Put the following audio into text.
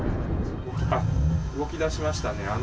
動きだしましたね。